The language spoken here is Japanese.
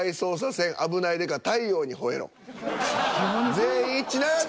全員一致ならず。